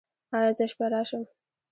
ایا زه شپه راشم؟